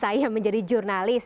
sebelum saya menjadi jurnalis